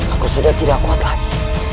aku sudah tidak kuat lagi